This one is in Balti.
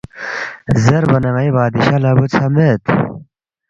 زیربا نہ ”ن٘ئی بادشاہ لہ بُوژھا مید